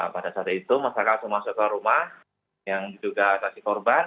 pada saat itu masyarakat langsung masuk ke rumah yang diduga saksi korban